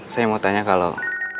saya mau tanya kalau